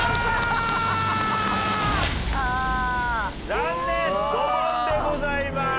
残念ドボンでございます。